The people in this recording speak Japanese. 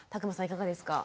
いかがですか？